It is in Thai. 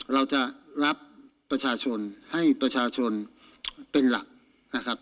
เราจะรับประชาชนให้ประชาชนเป็นหลักนะครับ